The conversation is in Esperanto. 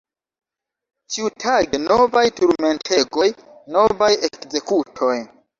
Ĉiutage novaj turmentegoj, novaj ekzekutoj!